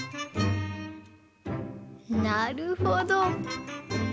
なるほど。